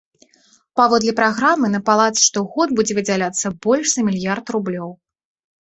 Паводле праграмы на палац штогод будзе выдзяляцца больш за мільярд рублёў.